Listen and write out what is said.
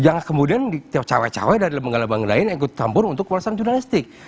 jangan kemudian dicawai cawai dari lembaga lembaga lain yang ikut tampun untuk ulasan jurnalistik